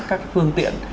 các phương tiện